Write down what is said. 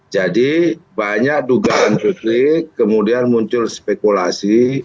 jadi banyak dugaan kemudian muncul spekulasi